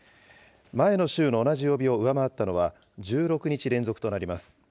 前の週の同じ曜日を上回ったのは１６日連続となります。